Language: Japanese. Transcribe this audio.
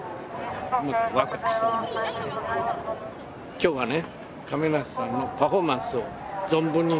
今日はね